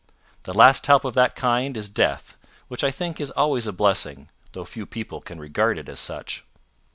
The last help of that kind is death, which I think is always a blessing, though few people can regard it as such."